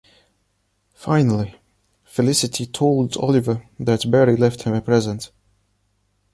Finally, Felicity told Oliver that Barry left him a present.